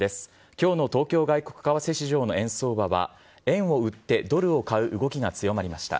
きょうの東京外国為替市場の円相場は、円を売ってドルを買う動きが強まりました。